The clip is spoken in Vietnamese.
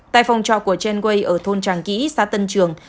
tại phòng trọ của chen wei ở thôn tràng kỹ xã tân trường